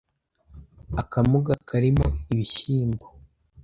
Akamuga karimo ibishyimbo.